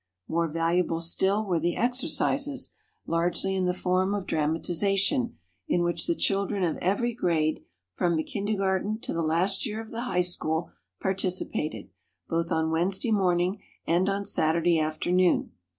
More valuable still were the exercises, largely in the form of dramatization, in which the children of every grade, from the kindergarten to the last year of the high school, participated, both on Wednesday morning and on Saturday afternoon.